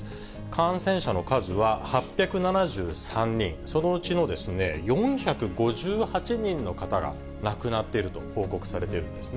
感染者の数は８７３人、そのうちの４５８人の方が亡くなっていると報告されているんです